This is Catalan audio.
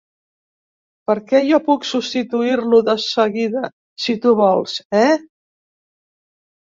Perquè jo puc substituir-lo de seguida si tu vols, eh?